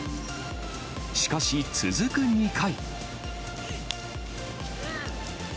しかし、続く２回。